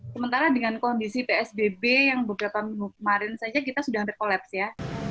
sementara dengan kondisi psbb yang beberapa minggu kemarin saja kita sudah ada kolaps ya